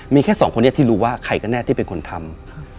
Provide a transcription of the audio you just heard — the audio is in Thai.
มีแค่สองคนนี้ที่รู้ว่าใครก็แน่ที่เป็นคนทำ